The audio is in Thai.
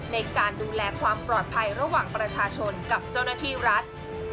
ในการดูแลความปลอดภัยระหว่างประชาชนกับเจ้าหน้าที่รัฐ